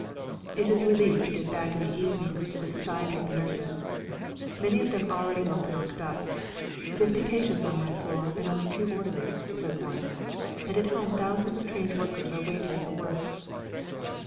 It is a relief to get back in the evenings to the society of the nurses. Many of them already look knocked up. "Fifty patients on my floor, and only two orderlies," says one. And at home thousands of trained workers are waiting for work.